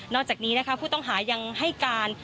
จากนี้นะคะผู้ต้องหายังให้การ